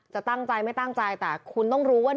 จะตั้งใจไม่ตั้งใจแต่คุณต้องรู้ว่า